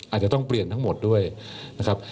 อาจจะต้องเปลี่ยนทั้งหมดด้วยนะครับ